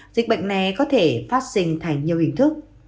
dịch bệnh này có thể phát sinh thành nhiều hình thức